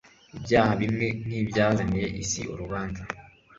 Ibyaha bimwe nkibyazaniye isi urubanza